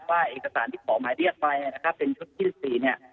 ว่าเอกสารที่ขอหมายเรียกไปนะครับเป็นชุดที่๑๔เนี่ย